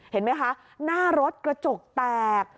เห็นไหมคะหน้ารถกระจกแตก